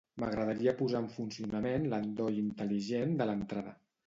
M'agradaria posar en funcionament l'endoll intel·ligent de l'entrada.